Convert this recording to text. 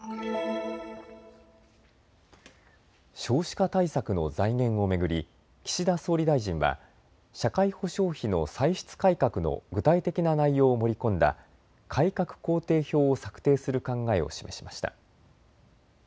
少子化対策の財源を巡り岸田総理大臣は社会保障費の歳出改革の具体的な内容を盛り込んだ改革工程表を策定する考えを示しました。